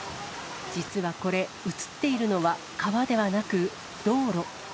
実はこれ、写っているのは川ではなく道路。